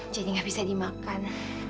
jadi nggak bisa dimakan